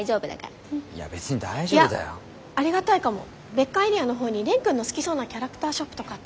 別館エリアのほうに蓮くんの好きそうなキャラクターショップとかあったし。